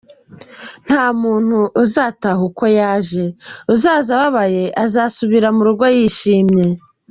Nta muntu uzataha uko yaje, uzaza ababaye azasubira mu rugo yishimye.